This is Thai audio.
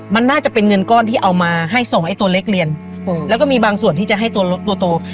มันน่าจะเป็นเงินก้อนที่เอามาให้ส่งไอ้ตัวเล็กเรียนแล้วก็มีบางส่วนที่จะให้ตัวโต